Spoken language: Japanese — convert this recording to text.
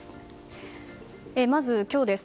まず、今日です。